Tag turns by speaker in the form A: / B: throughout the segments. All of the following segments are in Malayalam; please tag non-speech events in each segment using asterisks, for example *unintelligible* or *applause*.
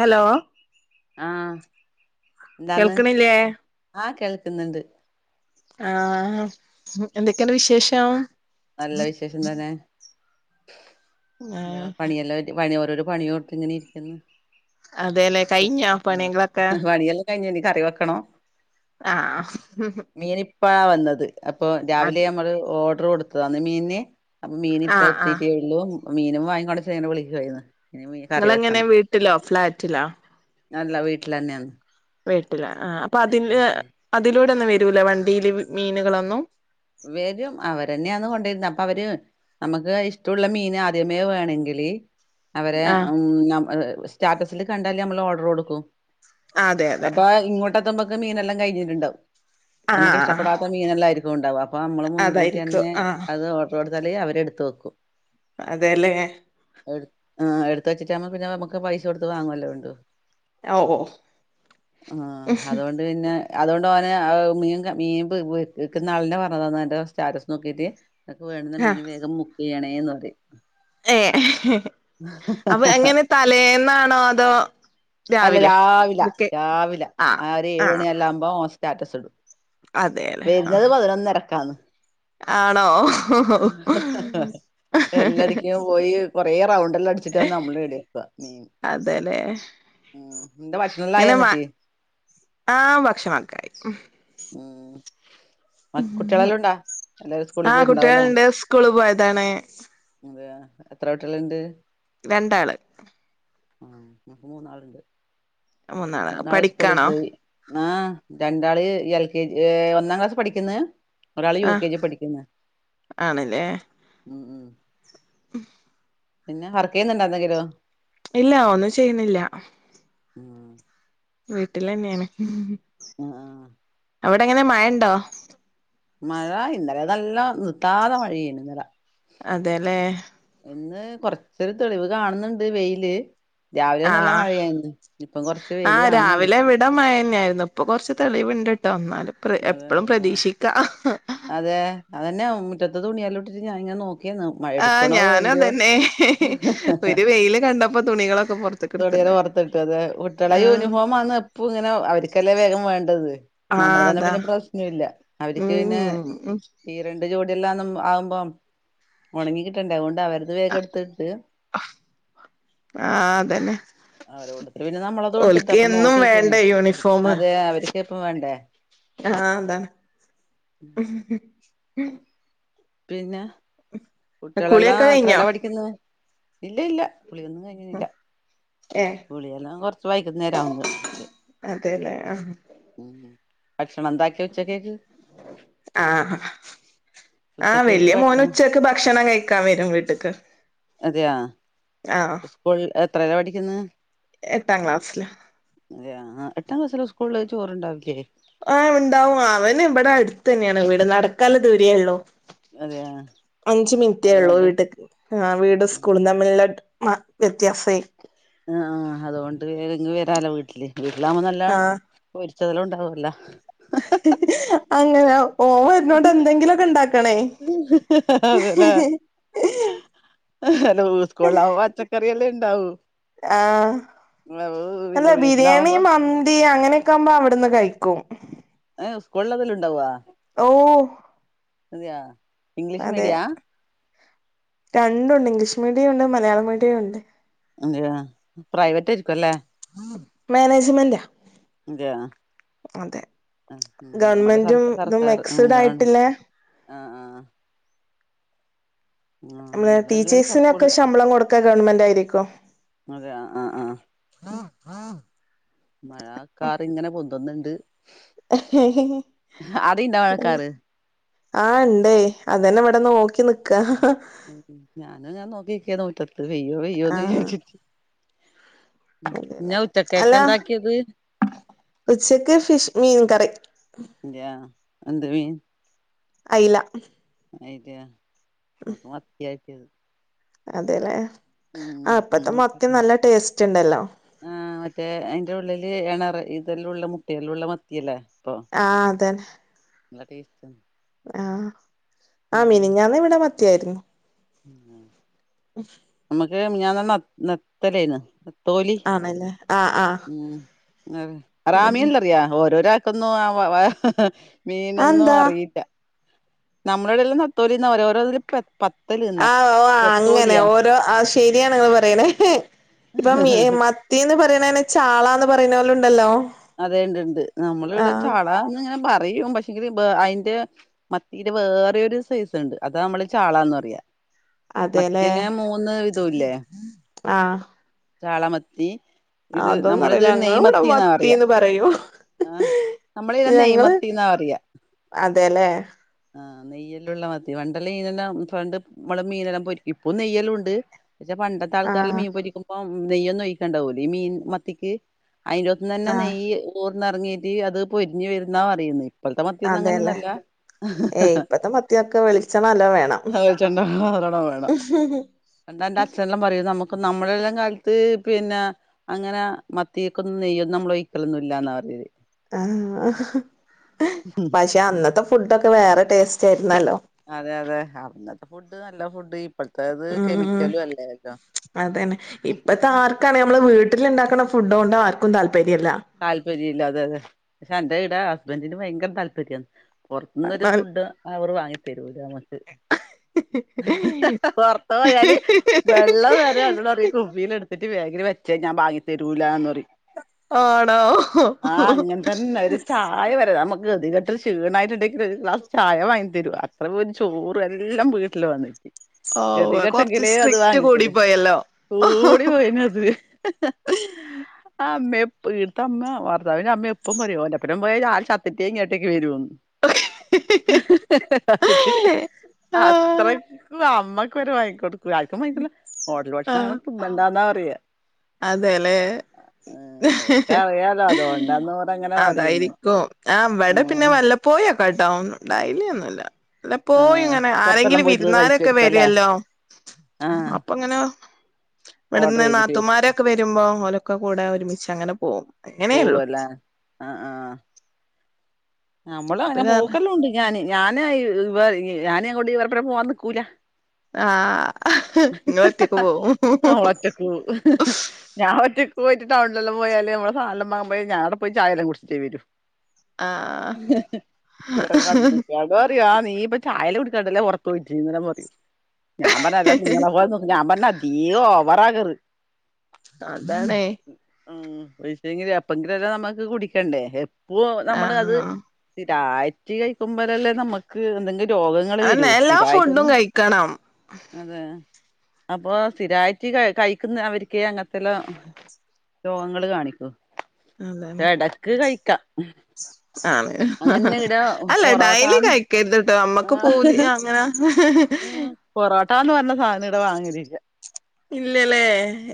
A: ഹലോ
B: ആഹ എന്താന്ന്
A: കേൾക്കണില്ലേ
B: ആഹ കേൾക്കുന്നുണ്ട്
A: ആഹ എന്തൊക്കെയാണ് വിശേഷം
B: നല്ല വിശേഷം തന്നെ
A: ആഹ്
B: പണിയെല്ലാം പണി ഒര്പണിയോട്ത്ത്ങ്ങനെ ഇരിക്കുന്നു
A: അതെല്ലേ കഴിഞ്ഞോ
B: ആ
A: പണികളൊക്കെ
B: പണിയെല്ല കഴിഞ്ഞിനി കറി വെക്കണം
A: ആ
B: മീൻ ഇപ്പഴാ വന്നത് അപ്പൊ രാവിലെ നമ്മള് ഓർഡർ കൊടുത്തതാന്ന് മീന് അപ്പൊ മീൻ
A: ആഹ് ആഹ്
B: ഇപ്പത്തീറ്റെള്ളൂ മീനും വാങ്ങി കൊണ്ടേ ച്ചോ ന്നെ വിളിക്കേ ഴുന്നേ
A: ഇങ്ങളെ ങ്ങനെ വീട്ടിലോ ഫ്ലാറ്റിലോ
B: അല്ല വീട്ടിൽ തന്നെന്ന്
A: വീട്ടില്ലാ ആ അപ്പൊ അതില് അതിലൂടെന്നും വരൂല വണ്ടിയില് മീനുകളൊന്നും
B: വരും അവരെന്നെയാന്ന് കൊണ്ടിരുന്നത് അപ്പൊ അവര് നമുക്ക് ഇഷ്ടമുള്ള മീൻ ആദ്യമേ വേണെങ്കിൽ അവരെ
A: ആഹ്
B: ഉ ന സ്റ്റാറ്റാ റ്റസില് കണ്ടാല് നമ്മള് ഓർഡർ കൊടുക്കും
A: അതെ അതെ
B: പ്പത്തുമ്പൊക്ക മീനല്ലാം കഴഞ്ഞിട്ടുണ്ടാവും നമുക്ക്
A: ആഹ്
B: ഇഷ്ടപെടാത്ത മീനെല്ലായിരിക്കും ഉണ്ടാവ അപ്പൊ നമ്മള് മുൻകൂട്ടി
A: അതായിരിക്കും
B: തന്നെ
A: ആഹ്
B: അത് ഓർഡർ കൊടുത്താൽ അവര് എടുത്ത് വെക്കും
A: അതെല്ലേ
B: ത്ത് വച്ചിട്ടാ പ്പോപിന്നെ നമക്ക് പൈസ കൊടുത്ത് വാങ്ങുല്ലോ വേണ്ടൂ
A: ഓ ഓ
B: ആ അതുകൊണ്ട് പിന്നെ അതുകൊണ്ട് ഓന് മീൻ മീൻ വിക്കുന്ന ആളെന്നെ പറഞ്ഞ്തന്ന എന്റെ സ്റ്റാറ്റസ് നോക്കീട്ട് ഇങ്ങക്ക് വേണ്ടുന്ന മീൻ വേഗം ബുക്ക് ചെയ്യണേന്ന് പറിം
A: ഏ അപ്പൊ അങ്ങനെ തലേന്നാണോ അതോ
B: അല്ല
A: രാവിലെ
B: രാവില
A: ബുക്ക്
B: രാവിലെ
A: ആഹ്
B: ആ ഒരു ഏഴ
A: ആഹ്
B: മണില്ലാം ആകുമ്പോം സ്റ്റാറ്റസ് ഇടും
A: അതെല്ലേ ആഹ്
B: വരുന്നത് പതിനൊന്നരക്കാണ്
A: ആണോ
B: അതെ എല്ലട്ക്കും പോയി കൊറെേ റൗണ്ട് എല്ലാം അടിച്ചിട്ടന്ന് നമ്മള്ടുക്കുവ മീൻ
A: അതലെ
B: ഉം നിന്റെ ഭക്ഷണെല്ലാം ആയോ
A: ങ്ങനെ
B: എന്നിട്ട്
A: ആഹ *unintelligible* ഭഷണക്കാരം
B: ഉം മ കുട്ട്യളെല്ലുണ്ടാ എല്ലാരും സ്കൂളി
A: ആ
B: പോയ്ട്ട്ണ്ടാകും ലെ
A: കുട്ടികളുണ്ട് സ്കൂള് പോയതാണ്
B: അതെ എത്ര കുട്ടികൾ ഉണ്ട്?
A: രണ്ടാള്
B: ആ മൂന്നാള്ണ്ട് മൂന്നാള് സ്കൂളിൽ പോയി! ആഹ് രണ്ടാള് എൽ കെ ജി ഒന്നാം ക്ലാസി പഠിക്കുന്ന് ഒരാള് യു
A: ആ
B: കെ ജി പഠിക്കുന്ന്
A: ഉം
B: പിന്നെ വർക്കെയുന്നുണ്ടോ?
A: ഇല്ല ഒന്നു ചെയുന്നില്ല
B: ഉം
A: വീട്ടിലെന്നെണ്
B: ആഹ ആഹ
A: അവിടെങ്ങനെ മഴണ്ടോ?
B: മഴ ഇന്നലെന്നല്ല നിർത്താത മഴയെനി ഇന്നല
A: അതെല്ലേ
B: ഇന്ന് കൊർചൊരു തെളിവ് കാണുന്നുണ്ട് വെയില് രാവിലെ
A: ആ
B: നല്ല മഴയയ്ന് ഇപ്പം കൊർച്ച് വെയില് കാണുന്നുണ്ട്
A: ന്നെയായിരുന്നു ഇപ്പൊ കൊറച് തെളിവുണ്ട്ട്ടോ ന്നലും
B: അതെ
A: എപ്പളും
B: ആഹ്
A: പ്രതീക്ഷിക്ക ഹ ഹ
B: അതെ അതന്നെ മുറ്റത്ത് തുണിയാലോട്ടിട്ട് ഞനിങ്ങ നെ നോകി
A: ആഹ ഞാനുഅതന്നെ ഹെ ഹെ ഒരു വെയില് കണ്ടപ്പോ തുണികളൊക്കെ പൊറത്ത്ക്ക്
B: തൊടില്
A: എടുത്തിണ്ട്
B: പുർത്തിട്ടത് കുട്ട്യളെ
A: ആ
B: യൂണിഫോം ആന്ന് പ്പോ ങ്ങനെ അവർക്കല്ലേ വേഗം വേണ്ടത്
A: ആ
B: നമ്മൾ തന്നെ
A: അതാ
B: പിന്നെ പ്രശ്നല്ല അവർക്ക് പിന്നെ
A: ഉം ഉം
B: ഈ രണ്ട് ജോഡി ആവുമ്പോ ഉണങ്ങി കിട്ടണ്ടേ അതോണ്ടാ അത് വേഗട്ത്തിട്
A: ആ അതന്നെ
B: അവര് കൊടുത്തിട്ട് പിന്നെ നമ്മളത് കൊടുത്തിട്ട്
A: ഓൽക്ക്
B: അപ്പൊ
A: എന്നും
B: നോക്കിക്കന്നെ
A: വേണ്ടേ
B: അതെ അവർക്ക് ഇപ്പം വേണ്ടേ
A: ആഹ അതാ
B: പിന്നെ കുട്ട്യാളെല്ലാം
A: കുളിയൊക്കെ കഴിഞ്ഞോ
B: യത്രല പഠിക്കുന്നത് ഇല്ല ഇല്ല കുളിന്നും കഴിഞ്ല്ല
A: ഏ
B: കുളി യല്ലാം കൊറച്ച് വൈക്കുന്നേരാവും
A: ആഹ
B: ഭക്ഷണന്താക്കി ഉച്ച കേക്ക്
A: ആഹ വല്ല്യ മോന് ഉച്ചക്ക് ഭക്ഷണം കഴിക്കാ വരും വീട്ട്ക്ക്
B: അതെയോ
A: ആ
B: സ്ക്കൂൾ എത്രല്ല പഠിക്കുന്നേ
A: എട്ടാം ക്ലാസ്സില്
B: അതെ യ അ എട്ടാം ക്ലാസ്സില് സ്കൂളില് ചോറു ണ്ടാവില്ലേ
A: ആ് ഉണ്ടാവും അവൻ ഇവിടെ അടു തന്നെയാ വീട് നടക്കാള്ള ദൂരേള്ളൂ
B: അതെയാ
A: അഞ്ചു മിനിറ്റേ ള്ളൂ
B: അതുകൊണ്ട്
A: വീട്ട്ക്ക് ആ വീട് സ്കൂളും തമ്മിൽ ള്ള ആ വത്യാസായി
B: ആ ആ് അതോണ്ട് ന്ന് വരാലോ വീട്ടിലേക്ക് വീട്ടിലാവുമ്പോ നല്ല പ്പൊര്ച്ച് ചിലോം ഉണ്ടാവൂല്ല
A: ഹ് ഹ് ഹ് അങ്ങനെവും ഓ വര്ന്നോണ്ട് ന്തെങ്കിലൊക്കെ ണ്ടാക്കണേ ഹ് ഹ്
B: ഹ് ഊസ്കോളാവുമ്പോ പച്ചക്കറിയെല്ലോം ണ്ടാവും
A: ആഹ അല്ല
B: പിന്നെ
A: ബിരിയാണി
B: വീട്ടിലാവുമ്പോ
A: മന്തി അങ്ങനെ ക്കാവുമ്പോ അവിട്ന്ന് കഴിക്കും
B: ഹ് സ്കൂൾ അതല്ലോ ണ്ടാവോ
A: ഓ
B: അതയ ഇംഗ്ലീഷ്
A: അതെ
B: മീഡിയാ
A: രണ്ടുണ്ട് ഇംഗ്ലീഷ് മീഡിയം ഉണ്ട് മലയാള മീഡിയം ഉണ്ട്
B: അ പ്രൈവറ്റ് ആരിക്കുംല്ലേ
A: മേനേജ്മെന്റാ
B: അതെയോ
A: അതെ
B: സർ
A: ഗവണ്മെന്റും ഇതും
B: സർക്കാർ
A: മെക്സഡ്
B: ഗവൺ
A: ആയിട്ടിള്ളെ
B: ആ ആ ആ
A: നമ്മള്
B: നമ്മള ഫുൾ
A: ടീച്ചേഴ്സിനൊക്കെ ശമ്പളം കൊടുക്ക ഗവൺമെന്റ് ആയിരിക്കും
B: അതെ ആ ആ ആ മഴക്കാർ ഇങ്ങനെ പൊന്ത്ന്നുണ്ട് ആടെയുണ്ടോ
A: അന്നെ
B: മഴക്കാറ്
A: ആ ഇണ്ടേ അതന്നെ ഇവിടെ നോക്കി നിക്കാ
B: ഞാനും ഞാൻ നോക്കിക്ക മുറ്റത്ത് പെയ്യോ പെയ്യോന്ന്
A: ആഹ്
B: വിചാരിച്ചിട്ട് ഇന്നാ
A: അല്ല
B: ഉച്ചക്കേക്ക് എന്താക്കിയത്
A: ഉച്ചക്ക് ഫിഷ് മീൻ കറി
B: അതെയാ എന്ത്‌ മീൻ
A: അയില
B: അയിലാനമ്മക്ക് മത്തിയാ കിട്ടിയത്
A: അതെല്ലേ ആഹ്
B: ഉം
A: ഇപ്പത്തെ മത്തി നല്ല ടേസ്റ്റ് ഉണ്ടല്ലോ
B: ആ മറ്റേ അയിന്റെ ഉള്ളില് എണർ ഇതെല്ലാംല്ലുള്ള മുട്ടയെല്ലാംള്ള മത്തിയല്ലേ ഇപ്പൊ
A: ആഅതന്നെ
B: നല്ല ടേസ്റ്റ്ണ്ട്
A: ആഹ് ആ മിനിഞ്ഞാന്ന് ഇവിടെ മത്തിയായിരുന്നു
B: ഉം ക്ക് മിന്നാന്ന് ന്ന നത്തലേന്ന് തോലി
A: ആണല്ലേ ആ ആ
B: ഉം
A: അതന്നെ
B: റാമിന്തറിയാ ഓരോ രാ ഇക്കൊന്നും ആ മീനൊന്നും
A: അതെന്താ
B: അറീല്ല നമ്മുടെടെല്ലാം നത്തോലിന്ന് പറയാ ഓരോന്നിലും പ
A: ആ ഓ അങ്ങനെ ഓരോ ആ ശെരിയണ നിങ്ങള് പറയണെ ഇപ്പൊ മത്തിന്ന് പറെണെ ചാളന്ന് പറയന്നപോലെ
B: അതെയ ഉണ്ട്ണ്ട് നമ്മൾ
A: ആ
B: ഇവിടെ ചാളാന്ന് ഇങ്ങനെ പറയും യും പക്ഷെങ്കില് അയിന്റെ മത്തിന്റെ വേറെയൊരു സൈസ് ഒണ്ട് അതാ നമ്മള് ചാളാന്ന് പറയാ
A: അതെല്ലേ
B: മത്തിയേന്നേ മൂന്ന് വിധല്ലേ
A: ആ
B: ചാളമത്തി ഇത്
A: അതൊന്നും
B: നമ്മളിത്
A: അറിയില്ല ഞങ്ങള് ഇവിടെ മത്തീന്ന് പറയും
B: ആഹ അമ്മള് ഇയിനെ
A: ഞങ്ങള്
B: നെയ്മത്തി എന്നാ പറയ
A: അതെല്ലേ
B: ആഹ് നെയ്യല്ല ഉള്ള മതി പണ്ടല്ല മീനെല്ലാംണ്ട് മമ്മളെ മീനെല്ലാം പോരിക്കും ഇപ്പൊ നെയ്യല്ലും ഉണ്ട് പക്ഷെ പണ്ടത്തെ
A: ആ
B: ആൾക്കാരില് മീൻ പൊരിക്കുമ്പോ നെയ്യൊന്നും ഒഴിക്കണ്ടാപോലും ഈ മീൻ മത്തിക്ക് അയിന്റെത്തു തന്നെ
A: ആ
B: നെയ്യ് ഓർന്നിറങ്ങീയിട്ട് അത് പൊരിഞ്ഞ് വരുന്നാ പറയുന്നത് പ്പളത്തെ മത്തിയൊന്നും
A: അതെല്ലേ
B: അങ്ങനൊന്നല്ല
A: ഏയ് ഇപ്പത്തെ മത്തിയൊക്കെ വെളിച്ചെണ്ണ നല്ലോം വേണം
B: വെളിച്ചെണ്ണ *unintelligible* വേണം എന്താ എന്റെ അച്ഛനല്ലാം പറയും നമുക്ക് അപ്പൊ നമ്മുടെ എല്ലാം കാലത്ത് പിന്നെ അങ്ങനെ മത്തിയക്കൊ നെയ്യന്നും നമ്മൾ ഒഴിക്കലൊന്നുല്ല ഇല്ലാന്ന പറഞ്ഞത്
A: ആ പക്ഷെ അന്നത്തെ ഫുഡൊക്കെ വേറെ ടേസ്റ്റ് ആയിരുന്നല്ലോ
B: അതെ അതെ അന്നത്തെ ഫുഡ് നല്ല ഫുഡ് ഇപ്പോഴത്തെത് കെമിക്കലും അല്ലേ
A: അതെ തന്നെ ഇപ്പത്തെ ആർക്കാണ് നമ്മള് വീട്ടിൽ ഇണ്ടാക്കണ ഫുഡ് കൊണ്ട് ആർക്കും താല്പര്യ
B: താല്പര്യം ഇല്ല അതെന്നേ അതെ പക്ഷെ എന്റെ ഇടെ ഹസ്ബൻറിന് ഭയങ്കര താല്പര്യമാണ് പൊറത്തനൊരു
A: നാൽ
B: ഫുഡ് അവർ വാങ്ങി തരൂല അമക്ക് പൊറത് പോയാല് വെള്ളം വരെ എന്നോട് പറയും കുപ്പിലു എടുത്തിട്ട് ബാഗിൽ ഇത് വച്ചേ ഞബാങ്ങിതരൂല്ലാന്ന് പറയും
A: ആണോ
B: ആ അങ്ങൻതന്നെ ഒരുചായ വരെരമ്മക്ക് ഗതിഗട്ട് ഷീണായിട്ടുണ്ടെങ്കിൽ ഒരു ഗ്ലാസ് ചായ വാങ്ങി തരു അത്രപോലുംചോറല്ലാം വീട്ടിൽ വന്ന്
A: ഓ
B: ഗതി
A: കൊറച്ച്
B: കെട്ടങ്കിലേ അത്
A: സ്ട്രിക്റ്റ് കൂടി
B: വാങ്ങിതരു
A: പോയല്ലോ
B: ഓടി പോയിനത് അമ്മേ ഇീട്ത്തമ്മ ഭർത്താവിന്റെ അമ്മ എപ്പം പറയും ഓൻ്റപ്പരം പോയാൽ ആല് ചത്തിട്ടേങ്ങട്ടേക്ക് വരോന്ന്
A: ആഹ്
B: അ അത്രക്ക് അമ്മ വരെ വാങ്ങിക്കൊടുക്കൂല ആർക്കുംവാങ്ങിക്കൊട്ല്ല ഓഡൽ ഭക്ഷണങ്ങനെ തിന്നണ്ടാന്നാ പറയാ
A: അതേല്ലേ
B: ഏഹ് ഓർക്ക് അറിയാലോ അതുകൊണ്ടാന്ന് ഓരങ്ങനെ പറയുന്നെ
A: അതായിരിക്കും ആവ്ടെ പിന്നെ
B: ഉം
A: വല്ലപ്പോയും കം ടൗൺന് ഡൈലി ഒന്നുല്ല
B: ആഹ്
A: ല്ലപോയുംങ്ങനെ
B: പൊറത്തെല്ലാം
A: ആരെങ്കിലും
B: പോയിട്ട്
A: വിരുന്നാലൊക്കെ
B: കഴിക്കുവായിരിക്കും അല്ലേ
A: വരുല്ലോ
B: ആഹ്
A: അപ്പങ്ങനെ
B: ഓർഡർ
A: ഇവ്ടുന്ന് നാ
B: ചെയ്തിട്ട് കഴിക്കുല്ലേ
A: ആരൊക്കെ വരുമ്പോ ഓലൊക്കെ കൂടെ ഒരുമിച്ച്ങ്ങനെ പോകും
B: പോവല്ലേ ആ ആ
A: അത്
B: നമ്മളുങ്ങനെ
A: കാരണം
B: പോക്കെല്ലാംണ്ട് ഞാാന് ഞാന് ഇവ ഞാനോങ്ങോണ്ട് ഇവർടെ പോവാൻ നിക്കൂല
A: ആഹ്
B: ഹ്
A: നിങ്ങള് ഒറ്റക്ക്
B: ഹ്
A: പോവും
B: നമ്മള് ഒറ്റക്കൊകും ഞാഒറ്റ പോയിട്ട് ടൗണിലല്ലാം പോയാല് മ്മളെസാനംവാങ്ങുമ്പോയേ ഞാടെ പ്പോയിചായല്ലാം കുട്ച്ചിട്ടേ വരു
A: ആഹ്
B: ഇവരെ ന്താറയാ ആ നീ ചായലെ കുടിക്കാണ്ടല്ലേ ഒറകോഴിച്ചെനെ ഞാൻ പറഞ്ഞ അല്ല നിങ്ങളെ പോലെ ഞാൻ പറഞ്ഞ ഇയോ ഓവറാകറ്
A: അതാണേ
B: ഉം വെജ്ജങ്കില് എപ്പങ്കിലല്ലാം നമ്മക്ക് കുടിക്കെണ്ടേ എപ്പോ നമ്മള് അത്
A: ആഹ്
B: സ്ഥി രായ്റ്റ് കഴിക്കുമ്പോലല്ലേ നമ്മുക്ക് എന്തെങ്കി രോഗങ്ങള് വരൂ
A: അതന്നെ എല്ലാ ഫുഡും
B: സ്ഥിരായിട്ടൊന്നും
A: കഴിക്കണം
B: അതെ അപ്പൊ സ്ഥിരായിട്ട് ക കഴിക്കുന്നവർക്കെ അങ്ങൻത്തെല്ലാം രോഗങ്ങള് കാണിക്കൂ
A: അതാണ്
B: എ ടക്ക് കഴിക്കാ
A: ആണ് അല്ല ഡൈലി
B: പൊറോട്ടാന്ന്
A: കഴിക്കരുതിട്ടോ അമ്മക്ക് പൂതി അങ്ങനാ
B: മ് പൊറാട്ടാന്ന് പറഞ്ഞ സാനവ്ടെ വാങ്ങലില്ല
A: ഇല്ലല്ലേ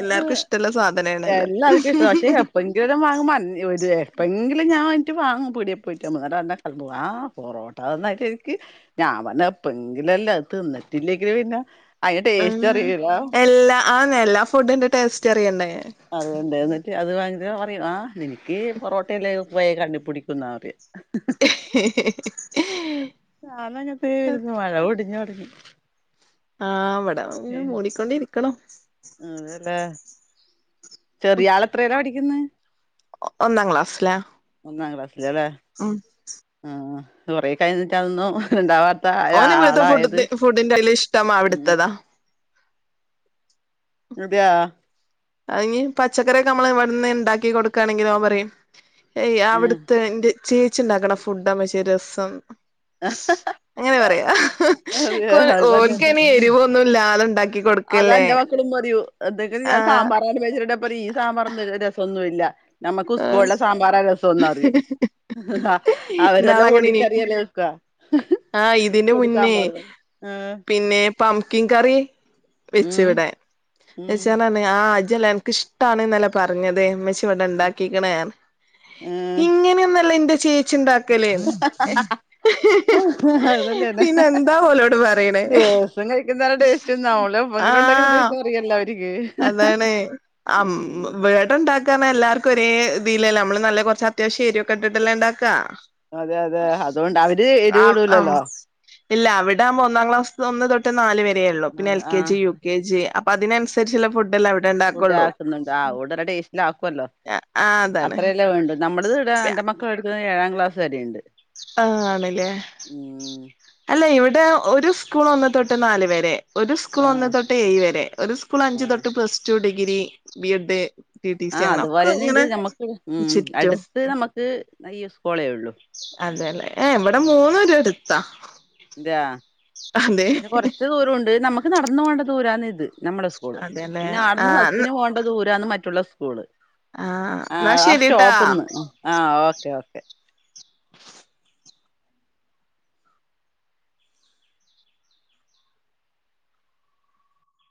A: എല്ലാർക്കും ഇഷ്ടള്ള സാധനാണല്ലോ
B: എല്ലാർക്കിഷ്ട ക്ഷെ എപ്പങ്കിലും വാങ്ങുമ്മൻ ഒര് ഏപ്പങ്കിലും ഞാൻ വായിറ്റ് വാങ്ങും പീടെ പോയിട്ടമ്പ് ആടെഅല്ല *unintelligible* ആ പൊറോട്ടന്ന രിക്ക് ഞാപറഞ്ഞ് എപ്പങ്കിലെല്ലേ തിന്ന ട്ടില്ലെങ്കില് പിന്നെ അതിന്റെ
A: ആ
B: ടേസ്റ്റ് അറിയൂല
A: എല്ലാ ആന്നെ എല്ലാഫുഡിന്റെ ടേസ്റ്ററിയണ്ടേ
B: അതോണ്ട് എന്നിട്ട് അത് വാ പറയിം ആ നിന്ക്കീ പൊറോട്ടയല്ലേ പോയ കണ്ണുപിടിക്കുന്നാ പറയ മഴ പൊടിഞ്ഞ്
A: ആ ഇവടെ ന്ന് മൂടിക്കൊണ്ടിരിക്ക്ണോ
B: ചെറിയാൾ എത്രീലാ പഠിക്കുന്ന്
A: ഒന്നാം ക്ലാസ്സിലാ
B: ഒന്നാം ക്ലാസ്ല്ല് ലെ
A: ഉം
B: ആഹ് കുറേ കഴിഞ്ഞിട്ടതന്നും ഇണ്ടാവാ
A: ഓനെ ഇവിടുത്തെ ഫുഡത് ഫുഡിന്റെയ്ല്
B: ഉം
A: ഇഷ്ടമാവിടുത്തതാ
B: അതെയാ
A: ഐന് പച്ചക്കറിയൊക്കെ നമ്മള് ഇവ്ടുന്ന്ണ്ടാക്കി കൊടുക്കാണെങ്കിൽ നൊ പറയും എയ്
B: ഏ
A: അവിടുത്തെ ന്റെ ചേച്ചിണ്ടാക്ക്ണ ഫുഡാമ്മച്ചേ രസം അങ്ങനെ പറയാ
B: അതെ
A: കൊ ഓൽക്കാന് എരിവൊന്നുംല്ലാതെണ്ടാക്കി
B: അതാന്റെ മക്കളും പറയൂ ന്തൊക്കെല് ഞാ
A: ആഹ്
B: സാമ്പാറഭെച്ചിണ്ടേപറയും ഈ സാമ്പാറൊന്നും രസന്നുല്ല നമ്മക്ക്
A: ആഹ്
B: ഉസ്കോള്ലെ സാമ്പാറാ രസംന്നറിയും അവരെല്ല
A: ഇന്നാളങ്ങനെനി
B: ഓടിക്കറിയല്ലെ വെക്ക
A: ആഹ് ഇതിന്റെ മുന്നേ പിന്നെ പംകിൻകറി വെച്ച്
B: ഉം
A: വടെ
B: ഉം
A: വെച്ചാണ്ടർഞ് ആ ജെല്ല അൻക്ക് ഇഷ്ടാണ്ന്നല്ലെ പറഞ്ഞത് മ്മച്ചി ഇവടെണ്ടാ ക്കിക്ക്‌ണ്ർഞ്
B: ആഹ്
A: ഇങ്ങനെയൊന്നല്ല ഇന്റെ ചേച്ചിണ്ടാക്കല്ന്ന്
B: അ ഹ അതല്ലേ ണെ ഹ ഹ ഹ
A: എന്താ ഓലോട് പറയണേ
B: ദിവസം കഴിക്കുന്നത ടേസ്റ്റ്ന്ന ഓള് ല *unintelligible*
A: ആഹ്
B: ട്ടേസ്റ്റ്റിയല്ലാവരും
A: അതാണ് അം വേടണ്ടാ ക്കാരണം എല്ലാർക്കും ഒരേ ഇതിലെല്ലെ മ്മള് നല്ല കൊറച്ച് അത്യാവശ്യംഎരുക്കെ ഇട്ടിട്ടല്ലെണ്ടാക്കാ
B: അതെ അതെ അതുകൊണ്ട് അവര്
A: ആ
B: എരിവ്
A: അം
B: ഇടൂലല്ലോ
A: ഇല്ല അവിടാവുമ്പോ ഒന്നാംക്ലാസ് ഒന്ന് തൊട്ട് നാലവരേ ഒള്ളൂ പിന്നെ എൽ കെ
B: ആഹ്
A: ജി യു കെ ജി അപ്പൊ അതിനൻസ സരിച്ച്ല്ല ഫുഡ്ഡ്ല്ല അവ്ടെ
B: ഫുഡ്‌ ആക്കുന്നുണ്ട് ആ വോണ്ട്ല്ല ടേസ്റ്റിലാക്കുവല്ലോ
A: ആഹ് അതാണ്
B: അത്രല്ലെവേണ്ടൂ നമ്മളത്ഈട എൻന്റെമക്കൾ എടുക്കുന്ന ഏഴാം ക്ലാസ് വരേണ്ട്
A: ആ ആണ്ലേ അല്ല ഇവിടെ ടെ ഒരു സ്കൂൾ ഒന്ന് തൊട്ട് നാല് വരെ ഒരു സ്കൂൾ ഒന്ന്
B: ആഹ്
A: തൊട്ട് ഏയ്‌വരെ ഒരു സ്കൂൾ
B: ആഹ്
A: അഞ്ച്തൊട്ട് plus two degree B Ed TT C
B: ആഹ്
A: അങ്ങനെ
B: അതുപോലെന്നെണ്ട്
A: ഒക്കെങ്ങനെ
B: നമ്മക്ക് ഉം
A: ചുറ്റും
B: അടുത്ത് നമ്മക്ക് ഈ സ്കൂളേ ഉള്ളു
A: അതെല്ലെ ഏ ഇവിടെമൂന്നു ഒര്എട്ത്താ
B: ന്തയാ ന്നെ കൊറച്ച് ദൂരുണ്ട് നമക്ക് നടന്നൊവേണ്ട ദൂരന്ന്ത് നമ്മുളെസ്കൂള്
A: അതെല്ലേ ആ
B: പിന്നെആട്ന്ന് ബസ്സിന്പോണ്ട ദൂരാന്ന് മറ്റുള്ളസ്കൂള്
A: ആ
B: ആആ
A: എന്നാ
B: അ
A: ശരിട്ടാ
B: സ്റ്റോപ്പ്ന്ന് ആ ഓക്കെ ഓക്കെ